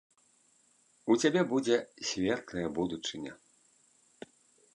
У цябе будзе светлая будучыня.